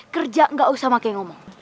kerja gak usah pakai ngomong